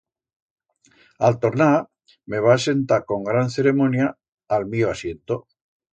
A'l tornar, me va asentar con gran ceremonia a'l mío asiento.